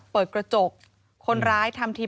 เปิดกระจกคนร้ายทำที